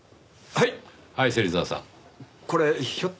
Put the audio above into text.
はい。